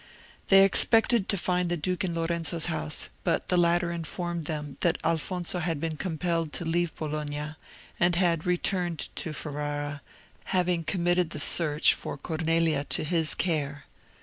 They expected to find the duke in Lorenzo's house; but the latter informed them that Alfonso had been compelled to leave Bologna, and had returned to Ferrara, having committed the search for Cornelia to his care.